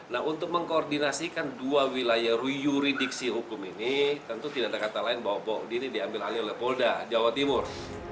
nah untuk mengkoordinasikan dua wilayah yuridiksi hukum ini tentu tidak ada kata lain bahwa dini diambil alih oleh polda jawa timur